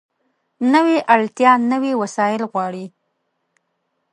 نوې اړتیا نوي وسایل غواړي